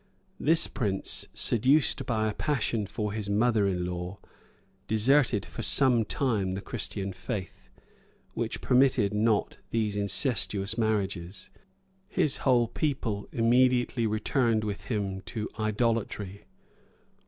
This prince, seduced by a passion for his mother in law, deserted, for some time, the Christian faith, which permitted not these incestuous marriages: his whole people immediately returned with him to idolatry.